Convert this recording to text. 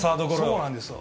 そうなんですよ。